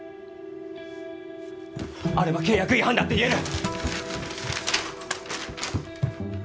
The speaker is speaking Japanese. あれば契約違反だって言える！